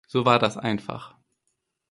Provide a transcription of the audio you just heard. So war das einfach.